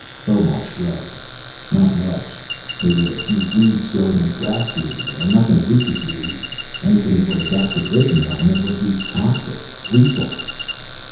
Fomar shrugged. "Not much. Maybe a few weeds growing in cracks here and there. Nothing we could use. Anything that would adapt to this environment would be toxic, lethal."